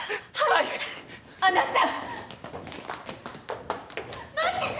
あなた！